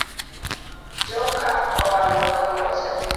Joka oa loka kocha.